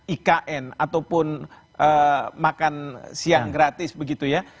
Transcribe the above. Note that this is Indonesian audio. ikn ataupun makan siang gratis begitu ya